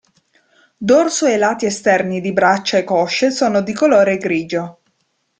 Dorso e lati esterni di braccia e cosce sono di colore grigio.